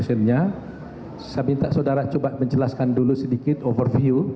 saya minta saudara coba menjelaskan dulu sedikit overview